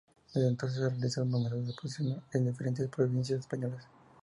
Desde entonces ha realizado numerosas exposiciones en diferentes provincias españolas.